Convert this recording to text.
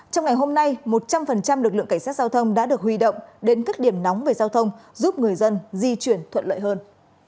trong ngày hôm nay một trăm linh lực lượng cảnh sát giao thông đã được huy động đến các điểm nóng về giao thông giúp người dân di chuyển thuận lợi hơn